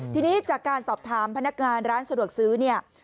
ทีนี้จากการสอบถามพนักงานร้านสะดวกซื้อเนี่ย